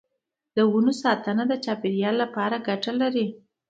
د ونو ساتنه د چاپیریال لپاره ګټه لري.